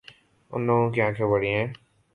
اِن لوگوں کی آنکھیں بڑی ہیں